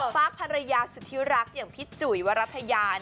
ฟ้าภรรยาสุธิรักอย่างพี่จุ๋ยวรัฐยา